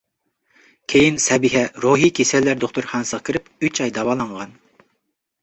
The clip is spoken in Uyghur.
كېيىن سەبىخە روھىي كېسەللەر دوختۇرخانىسىغا كىرىپ ئۈچ ئاي داۋالانغان.